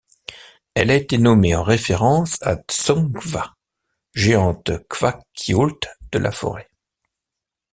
Elle a été nommée en référence à Dsonkwa, géante kwakiutl de la forêt.